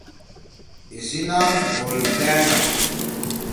ایِسی نام بُولبأنگ آشُو۔